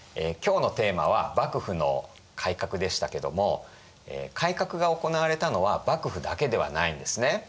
今日のテーマは「幕府の改革」でしたけども改革が行われたのは幕府だけではないんですね。